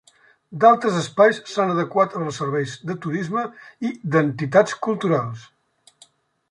D'altres espais s'han adequat per als serveis de turisme i d'entitats culturals.